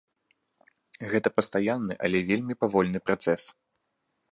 Гэта пастаянны, але вельмі павольны працэс.